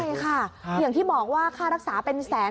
ใช่ค่ะอย่างที่บอกว่าค่ารักษาเป็นแสน